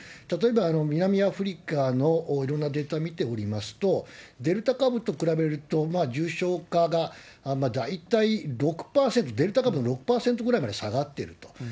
例えば南アフリカのいろんなデータを見ておりますと、デルタ株と比べると、重症化が大体６％、デルタ株の６％ぐらいまで下がっていると。